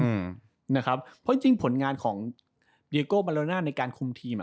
เพราะจริงผลงานของเดียโก้บราโนน่าในการคุมทีม